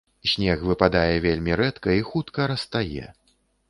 Снег выпадае вельмі рэдка і хутка растае.